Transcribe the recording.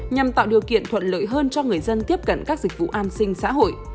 nhằm tạo điều kiện thuận lợi hơn cho người dân tiếp cận các dịch vụ an sinh xã hội